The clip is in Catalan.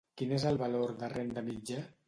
Quin és el valor de renda mitjà?